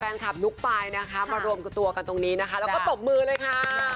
แฟนคับนุ๊กปายมารวมกันตัวกันตรงนี้แล้วก็ตบมือเลยค่ะ